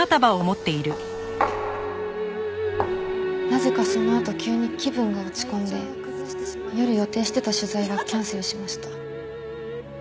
なぜかそのあと急に気分が落ち込んで夜予定してた取材はキャンセルしました。